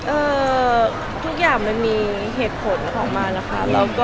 ทุกอย่างมันมีเหตุผลออกมานะคะ